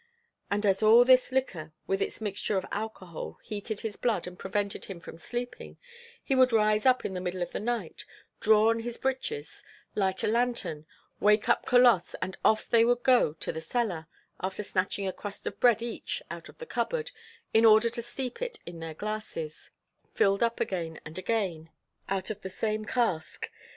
And, as all this liquor with its mixture of alcohol heated his blood and prevented him from sleeping, he would rise up in the middle of the night, draw on his breeches, light a lantern, wake up Colosse, and off they would go to the cellar, after snatching a crust of bread each out of the cupboard, in order to steep it in their glasses, filled up again and again out of the same cask.